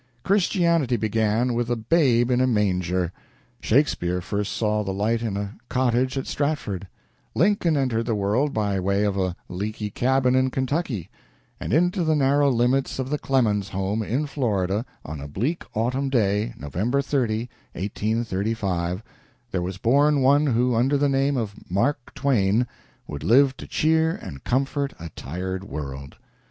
Christianity began with a babe in a manger; Shakespeare first saw the light in a cottage at Stratford; Lincoln entered the world by way of a leaky cabin in Kentucky, and into the narrow limits of the Clemens home in Florida, on a bleak autumn day November 30, 1835 there was born one who under the name of Mark Twain would live to cheer and comfort a tired world.